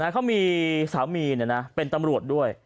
เขามีสามีเป็นตำรวจด้วย